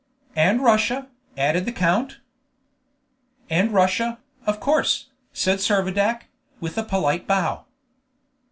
"And Russia," added the count. "And Russia, of course," said Servadac, with a polite bow.